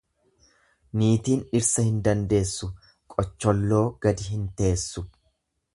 Niitiin dhirsa hin dandeessu, qocholloo gadi hin teessu.